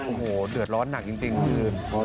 โอ้โหเดือดร้อนหนักจริงคืน